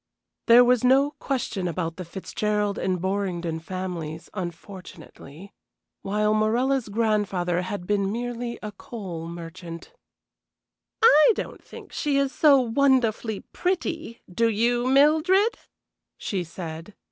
There was no question about the Fitzgerald and Borringdon families, unfortunately, while Morella's grandfather had been merely a coal merchant. "I don't think she is so wonderfully pretty, do you, Mildred?" she said.